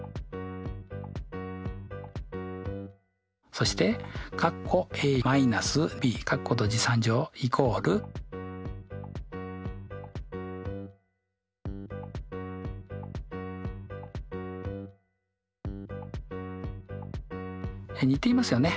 そして似ていますよね。